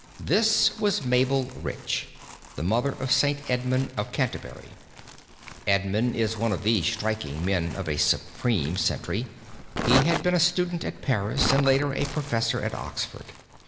This was Mabel Rich, the mother of Saint Edmund of Canterbury. Edmund is one of the striking men of a supreme century. He had been a student at Paris, and later a professor at Oxford.